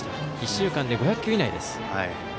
１週間で５００球以内です。